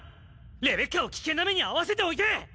レベッカを危険な目に遭わせておいて！